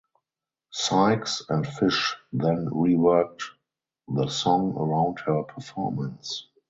Sykes and Fish then reworked the song around her performance.